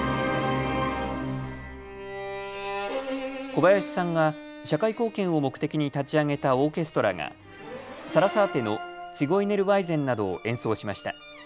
小林さんが社会貢献を目的に立ち上げたオーケストラがサラサーテのツィゴイネルワイゼンなどを演奏しました。